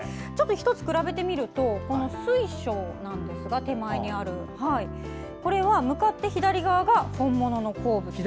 １つ比べてみると手前の水晶なんですがこれは向かって左側が本物の鉱物。